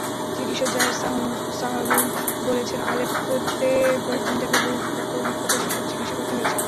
চিকিৎসক Zaher Shahloul বলেছেন, আলেপ্পোতে প্রতিদিন তাঁকে বহু ক্ষতবিক্ষত শিশুর চিকিৎসা করতে হয়েছে।